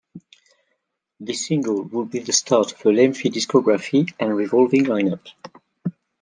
This single would be the start of a lengthy discography and revolving lineup.